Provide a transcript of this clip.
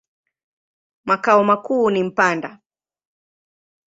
Makao makuu ni Mpanda.